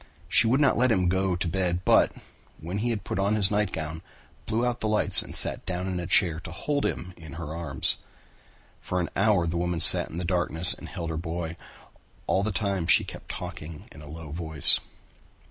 She would not let him go to bed but, when he had put on his nightgown, blew out the lights and sat down in a chair to hold him in her arms. For an hour the woman sat in the darkness and held her boy. All the time she kept talking in a low voice.